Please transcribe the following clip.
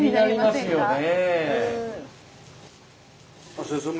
おすすめ。